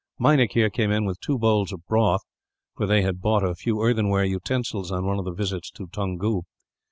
Meinik here came in, with two bowls of broth; for they had bought a few earthenware utensils on one of the visits to Toungoo.